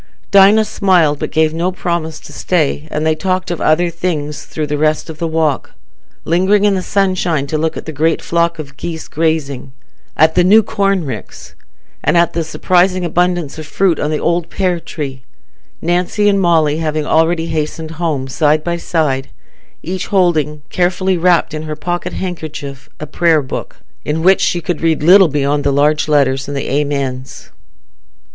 Dinah smiled, but gave no promise to stay, and they talked of other things through the rest of the walk, lingering in the sunshine to look at the great flock of geese grazing, at the new corn ricks, and at the surprising abundance of fruit on the old pear tree; Nancy and Molly having already hastened home, side by side, each holding, carefully wrapped in her pocket handkerchief, a prayer book, in which she could read little beyond the large letters and the Amens.